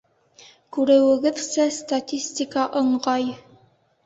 Күреүегеҙсә, статистика ыңғай.